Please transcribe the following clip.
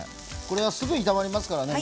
これはすぐ炒まりますからね